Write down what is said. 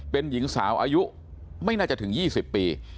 เป็นหญิงสาวอายุไม่น่าจะถึง๒๐ปี